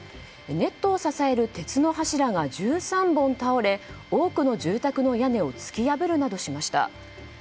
ネットを支える鉄の柱が１３本、倒れ多くの住宅の屋根を突き破るなどしました。